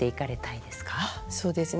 そうですね。